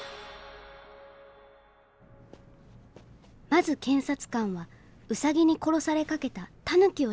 まず検察官はウサギに殺されかけたタヌキを証人に呼んだ。